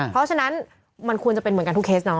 เพราะฉะนั้นมันควรจะเป็นเหมือนกันทุกเคสเนาะ